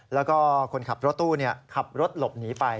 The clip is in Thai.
แล้วก็คนขับรถตู้ขับรถหลบหนีไป